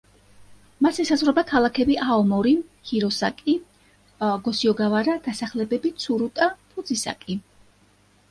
მას ესაზღვრება ქალაქები აომორი, ჰიროსაკი, გოსიოგავარა, დასახლებები ცურუტა, ფუძისაკი.